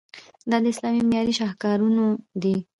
دا د اسلامي معمارۍ شاهکارونه دي.